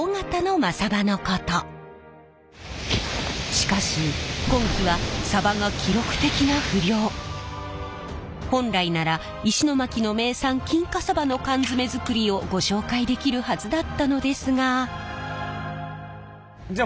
しかし今季は本来なら石巻の名産金華さばの缶詰作りをご紹介できるはずだったのですが。